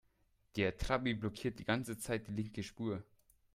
Der Trabi blockiert die ganze Zeit die linke Spur.